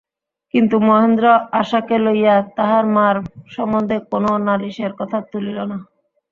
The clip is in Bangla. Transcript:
কিন্তু মহেন্দ্র আশাকে লইয়া তাহার মার সম্বন্ধে কোনো নালিশের কথা তুলিল না।